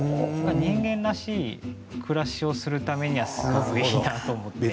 人間らしい暮らしをするためにはすごくいいなと思って。